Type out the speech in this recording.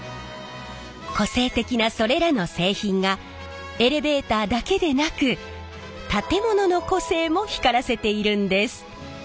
個性的なそれらの製品がエレベーターだけでなく建物の個性も光らせているんです。